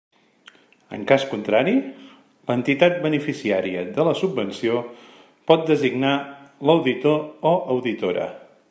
En cas contrari, l'entitat beneficiària de la subvenció pot designar l'auditor o auditora.